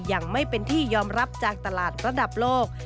ยังไม่เป็นที่ยอมรับจากตลาดระดับโลก